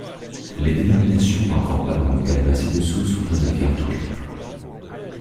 Les dénominations n'entrant pas dans le canevas ci-dessous sont indiquées en toutes lettres.